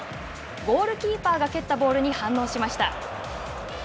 ゴールキーパーが蹴ったボールに反応しました。